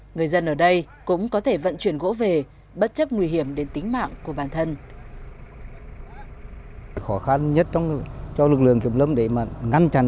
người dân ở đây cũng có thể vận chuyển gỗ về bất chấp nguy hiểm đến tính mạng của bản thân